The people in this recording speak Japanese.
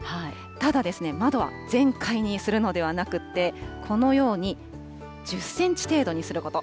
ただですね、窓は全開にするのではなくって、このように、１０センチ程度にすること。